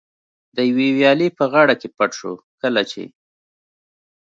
د یوې ویالې په غاړه کې پټ شو، کله چې.